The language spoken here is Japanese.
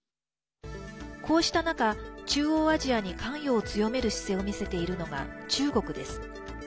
こうした中中央アジアに関与を強める姿勢を見せているのが中国です。